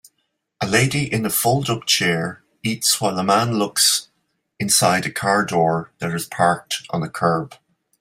A lady in a fold up chair eats while a man looks inside a car door that is parked on a curb